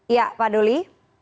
iya pak doli